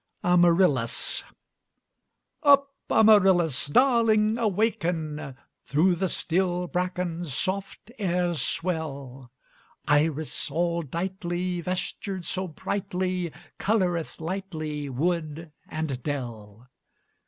AMARYLLIS Up, Amarylis! Darling, awaken! Through the still bracken Soft airs swell; Iris, all dightly, Vestured so brightly, Coloreth lightly Wood and dell.